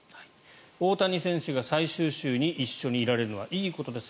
大谷選手が最終週に一緒にいられるのはいいことです